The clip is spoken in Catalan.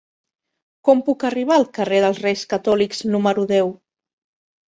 Com puc arribar al carrer dels Reis Catòlics número deu?